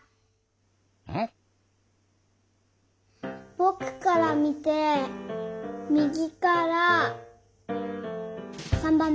ぼくからみてみぎから３ばんめ。